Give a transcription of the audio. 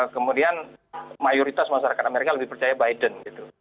kemudian mayoritas masyarakat amerika lebih percaya biden gitu